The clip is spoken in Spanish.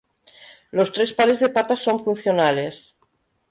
Los tres pares de patas son funcionales.